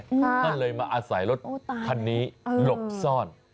ก็เลยมาอาศัยรถคันนี้หลบซ่อน